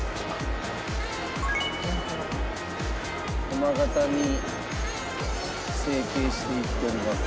球型に成形していっております。